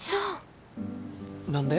何で？